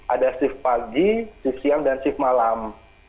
ada shift pagi shift siang dan shift malam